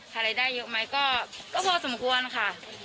รายได้เยอะไหมก็พอสมควรค่ะ